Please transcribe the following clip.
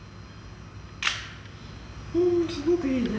うんすごくいいね。